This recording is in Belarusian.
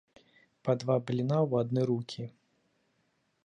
Па два бліна ў адны рукі!